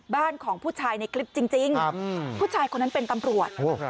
บ้านของผู้ชายในคลิปจริงผู้ชายคนนั้นเป็นตำรวจ